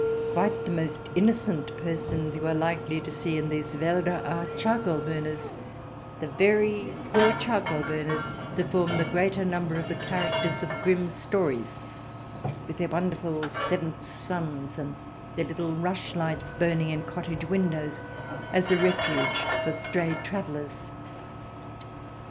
Quite the most innocent persons you are likely to see in these Walder are charcoal burners — the very poor charcoal burners that form the greater number of the characters of Grimm's stories, with their wonderful seventh sons and their little rush lights burning in cottage windows as a refuge for strayed travellers.